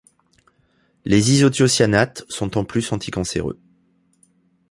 Les isothiocyanates sont en plus anticancéreux.